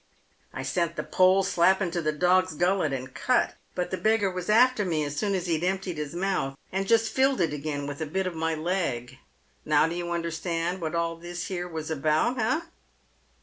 " I sent the pole slap into the dog's gullet, and cut ; but the beggar was after me as soon as he'd emptied his mouth, and just filled it again with a bit of my leg. Now do you understand what all this here was about — eh